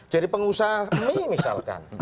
jadi pengusaha mie misalkan